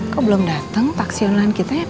kok belum datang taksi online kita ya pak